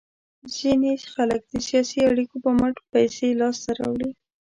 ځینې خلک د سیاسي اړیکو په مټ پیسې لاس ته راوړي.